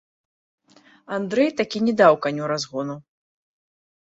Андрэй такі не даў каню разгону.